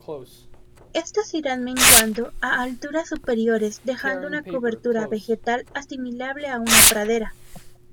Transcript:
Estos irán menguando a alturas superiores dejando una cobertura vegetal asimilable a una pradera.